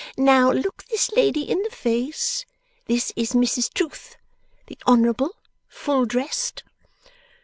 Now look this lady in the face. This is Mrs Truth. The Honourable. Full dressed.